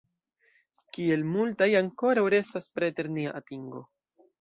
Kiel multaj ankoraŭ restas preter nia atingo!